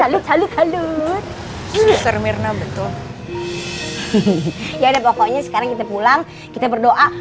laki laki yang terlihat baik